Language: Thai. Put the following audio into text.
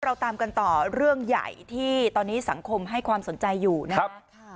เราตามกันต่อเรื่องใหญ่ที่ตอนนี้สังคมให้ความสนใจอยู่นะคะ